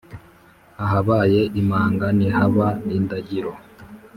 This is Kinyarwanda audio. Ahabaye imanga ntihaba indagiro